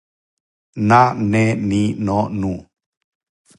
на не ни но ну